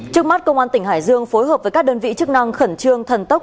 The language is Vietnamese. trước mắt công an tỉnh hải dương phối hợp với các đơn vị chức năng khẩn trương thần tốc